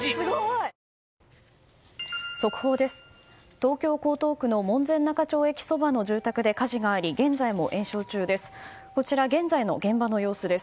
東京・江東区の門前仲町駅そばの住宅で火事があり、現在も延焼中です。